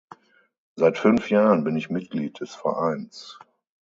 Seit fünf Jahren bin ich Mitglied des Vereins.